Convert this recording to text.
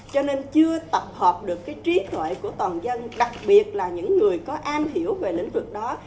cho nên chưa tập hợp được cái trí tuệ của toàn dân đặc biệt là những người có am hiểu về lĩnh vực đó